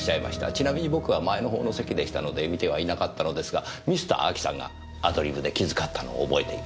ちなみに僕は前の方の席でしたので見てはいなかったのですがミスター・アキさんがアドリブで気遣ったのを覚えています。